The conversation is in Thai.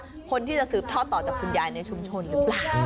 คนที่จะสืบทอดต่อจากคุณยายในชุมชนหรือเปล่า